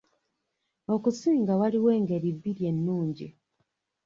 Okusinga waliwo engeri bbiri ennungi.